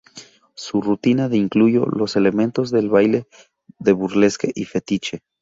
Su rutina de incluyó los elementos del baile de burlesque y fetiche.